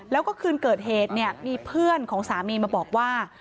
แล้วก็คืนเกิดเหตุเนี่ยมีเพื่อนของสามีมาบอกว่า